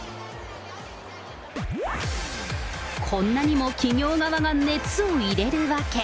こんなにも企業側が熱を入れる訳。